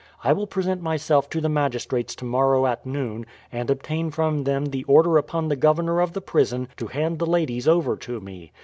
I will present myself to the magistrates tomorrow at noon, and obtain from them the order upon the governor of the prison to hand the ladies over to me.